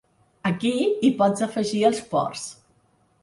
Aquí hi pots afegir els ports.